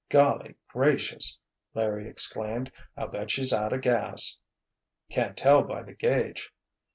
"Golly gracious!" Larry exclaimed, "I'll bet she's out of gas." "Can't tell by the gauge."